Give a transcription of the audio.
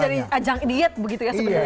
jadi jadi ajang diet begitu ya sebenarnya